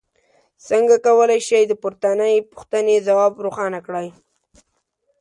څنګه کولی شئ د پورتنۍ پوښتنې ځواب روښانه کړئ.